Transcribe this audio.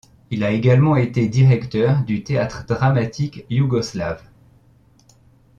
Il a également été directeur du Théâtre dramatique yougoslave.